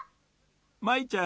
舞ちゃん